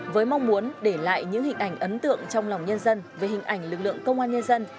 với mong muốn để lại những hình ảnh ấn tượng trong lòng nhân dân về hình ảnh lực lượng công an nhân dân